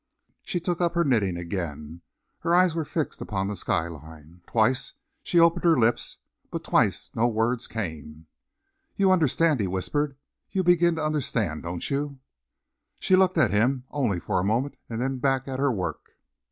She took up her knitting again. Her eyes were fixed upon the sky line. Twice she opened her lips, but twice no words came. "You understand?" he whispered. "You begin to understand, don't you?" She looked at him only for a moment and back at her work.